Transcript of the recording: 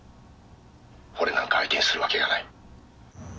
「俺なんか相手にするわけがない」